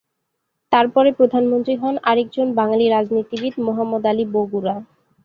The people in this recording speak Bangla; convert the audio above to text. তার পরে প্রধানমন্ত্রী হন আরেকজন বাঙালি রাজনীতিবিদ মোহাম্মদ আলী বগুড়া।